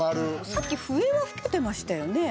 さっき笛は吹けてましたよね。